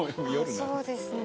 そうですね。